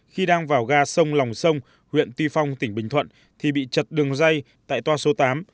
khi đang vào ga sông lòng sông huyện tuy phong tỉnh bình thuận thì bị chật đường dây tại toa số tám